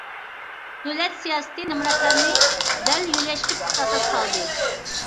دۆلەت سىياسىتى نامراتلارنى دەل يۆلەشكە پۇختا ئاساس سالدى.